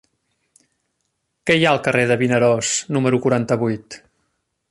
Què hi ha al carrer de Vinaròs número quaranta-vuit?